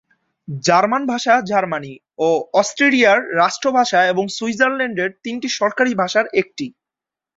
German ভাষা Germany ও অস্ট্রিয়ার রাষ্ট্রভাষা এবং সুইজারল্যান্ডের তিনটি সরকারী ভাষার একটি।